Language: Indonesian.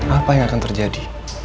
apa yang akan terjadi